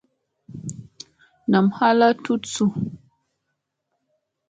Nam hal a tutta su.